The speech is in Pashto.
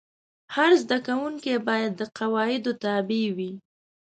هر زده کوونکی باید د قواعدو تابع وای.